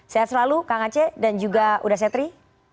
sehat selalu kang aceh dan juga udah setri